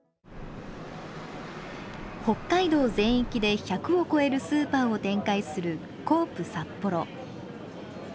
北海道全域で１００を超えるスーパーを展開するコープさっぽろ。